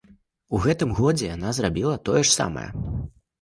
У гэтым годзе яна зрабіла тое ж самае.